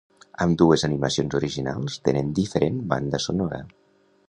Ambdues animacions originals tenen diferent banda sonora.